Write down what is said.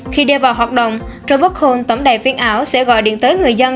khi đưa vào hoạt động robocall tổng đài viên ảo sẽ gọi điện tới người dân